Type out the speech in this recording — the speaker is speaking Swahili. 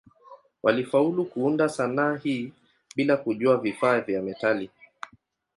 Walifaulu kuunda sanaa hii bila kujua vifaa vya metali.